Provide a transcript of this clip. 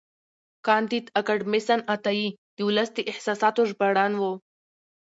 کانديد اکاډميسن عطایي د ولس د احساساتو ژباړن و.